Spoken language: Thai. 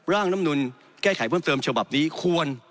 ลำนุนแก้ไขเพิ่มเติมฉบับนี้ควร